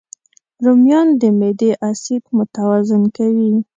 رومیان د معدې اسید متوازن کوي